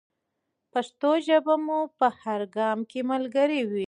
پښتو ژبه مو په هر ګام کې ملګرې وي.